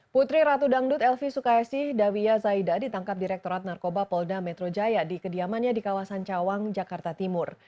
putri ratu dangdut elvi sukaisi dawiya zaida ditangkap direktorat narkoba polda metro jaya di kediamannya di kawasan cawang jakarta timur